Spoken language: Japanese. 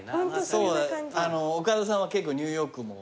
そうだ岡田さんは結構ニューヨークも。